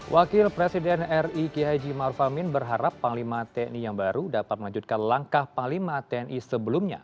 wakil presiden ri kihaji marfamin berharap panglima tni yang baru dapat melanjutkan langkah panglima tni sebelumnya